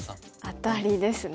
アタリですね。